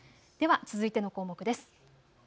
では続いての項目です。